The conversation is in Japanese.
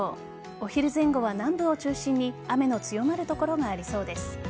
お昼前後は南部を中心に雨の強まる所がありそうです。